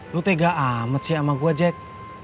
lu tega amat sih sama gue jack